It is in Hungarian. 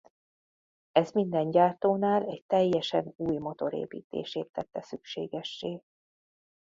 Ez minden gyártónál egy teljesen új motor építését tette szükségessé.